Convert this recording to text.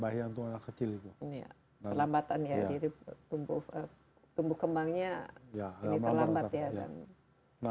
bahaya untuk anak kecil itu ya lambatan ya jadi tumbuh kembangnya ini terlambat ya kan